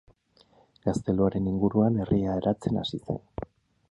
Gazteluaren inguruan herria eratzen hasi zen.